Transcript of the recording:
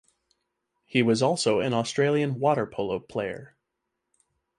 He was also an Australian water polo player.